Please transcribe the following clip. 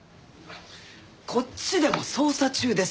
こっちでも捜査中ですか。